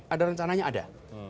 ada rencananya ada